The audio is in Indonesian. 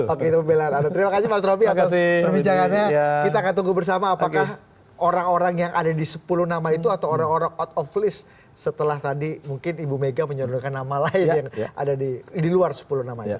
oke itu belanda terima kasih mas roby atas perbincangannya kita akan tunggu bersama apakah orang orang yang ada di sepuluh nama itu atau orang orang out of list setelah tadi mungkin ibu mega menyodorkan nama lain yang ada di luar sepuluh nama itu